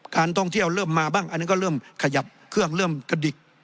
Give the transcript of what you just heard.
การท่องเที่ยวเริ่มมาบ้างอันนั้นก็เริ่มขยับเครื่องเริ่มกระดิก